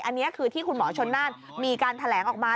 อันนี้คือที่คุณหมอชนนั่นมีการแถลงออกมา